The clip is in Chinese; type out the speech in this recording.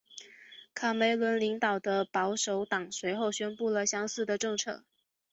卡梅伦领导的保守党随后宣布了相同的政策。